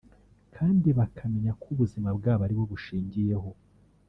kandi bakamenya ko ubuzima bwabo aribo bushingiyeho